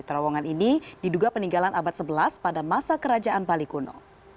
terowongan ini diduga peninggalan abad sebelas pada masa kerajaan bali kuno